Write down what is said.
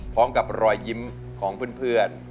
พร้อมกับรอยยิ้มของเพื่อน